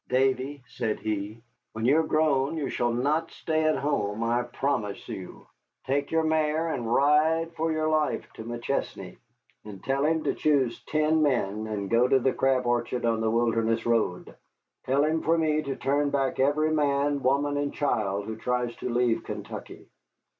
"Davy," said he, "when you are grown you shall not stay at home, I promise you. Take your mare and ride as for your life to McChesney, and tell him to choose ten men and go to the Crab Orchard on the Wilderness Road. Tell him for me to turn back every man, woman, and child who tries to leave Kentucky."